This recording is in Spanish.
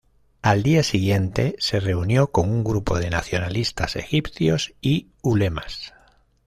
Al día siguiente, se reunió con un grupo de nacionalistas egipcios y ulemas.